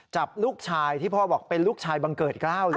จับลูกชายที่พ่อบอกเป็นลูกชายบังเกิดกล้าวเลย